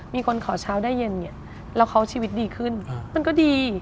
มีคนขอเช้าได้เย็นเนี่ยแล้วเขาชีวิตดีขึ้นมันก็ดี